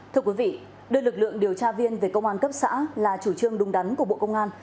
thưa quý vị đưa lực lượng điều tra viên về công an cấp xã là chủ trương đúng đắn của bộ công an